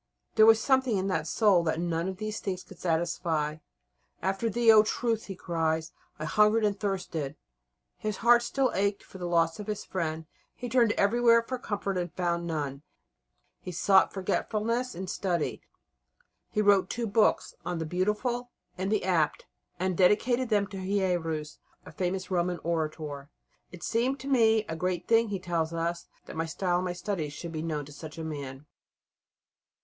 There was something in his soul that none of these things could satisfy. "After Thee, O Truth," he cries, "I hungered and thirsted!" His heart still ached for the loss of his friend, he turned everywhere for comfort and found none. He sought forgetfulness in study. He wrote two books on the "Beautiful" and the "Apt," and dedicated them to Hierus, a famous Roman orator. "It seemed to me a great thing," he tells us, "that my style and my studies should be known to such a man."